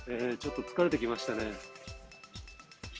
ちょっと疲れてきましたね。